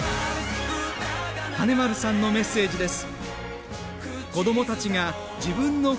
金丸さんのメッセージです。